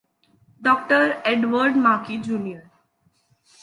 Dr. Edward Maki Jr.